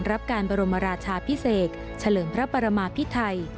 รับการบรมราชาพิเศษเฉลิมพระปรมาพิไทย